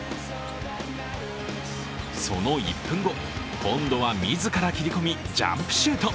その１分後、今度は自ら切り込みジャンプシュート。